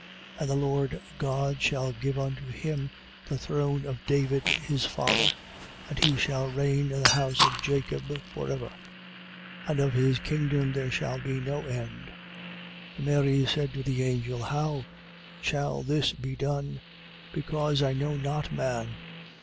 And the Lord God shall give unto him the throne of David his father: and he shall reign in the house of Jacob for ever. 1:33. And of his kingdom there shall be no end. 1:34. And Mary said to the angel: How shall this be done, because I know not man?